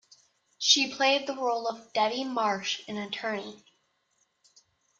She played the role of Debby Marsh, an attorney.